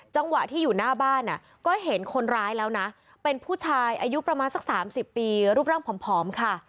จังหวะที่อยู่หน้าบ้านก็เห็นคนร้ายแล้วนะเป็นผู้ชายอายุประมาณสัก๓๐ปีรูปร่างผอมค่ะ